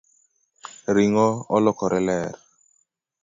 Ringo olokore ler